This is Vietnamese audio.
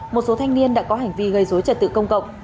một số thanh niên đã có hành vi gây dối trật tự công cộng